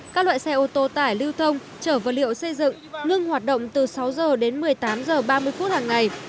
các loại xe ô tô tải lưu thông trở vật liệu xây dựng ngưng hoạt động từ sáu h đến một mươi tám h ba mươi phút hàng ngày